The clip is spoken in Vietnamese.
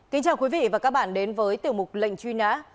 kính chào quý vị và các bạn đến với tiểu mục lệnh truy nã